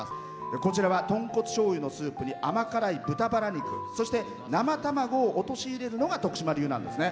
こちらは豚骨しょうゆのスープに甘辛い豚ばら肉そして、生卵を落とし入れるのが徳島流なんですね。